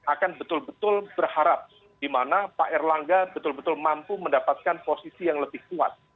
akan betul betul berharap di mana pak erlangga betul betul mampu mendapatkan posisi yang lebih kuat